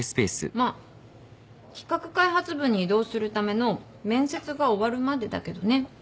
まあ企画開発部に異動するための面接が終わるまでだけどね。